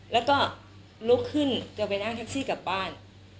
แล้วก็ลุกขึ้นจะไปนั่งแท็กซี่กลับบ้าน